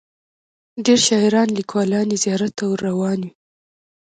ډیر شاعران لیکوالان یې زیارت ته ور روان وي.